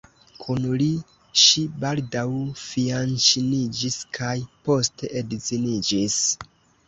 Kun li, ŝi baldaŭ fianĉiniĝis kaj poste edziniĝis.